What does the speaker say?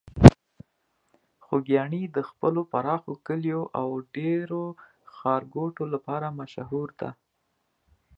خوږیاڼي د خپلو پراخو کليو او ډیرو ښارګوټو لپاره مشهور ده.